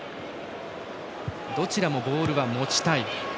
どちらもボールは持ちたい。